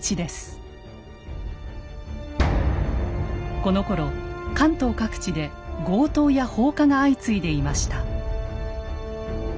このころ関東各地で強盗や放火が相次いでいました。